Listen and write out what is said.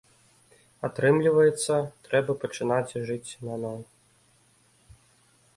Атрымліваецца, трэба пачынаць жыць наноў.